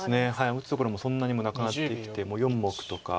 打つところもそんなにはなくなってきてもう４目とか。